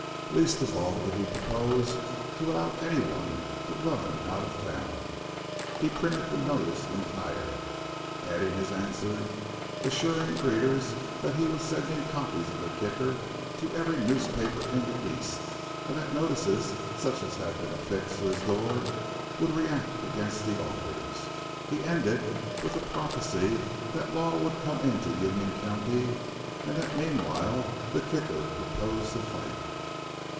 Least of all did he purpose to allow anyone to "run him out of town." He printed the notice entire, adding his answer, assuring readers that he was sending copies of the Kicker to every newspaper in the East and that notices such as had been affixed to his door would react against the authors. He ended with the prophecy that the law would come into Union County and that meanwhile the Kicker purposed to fight.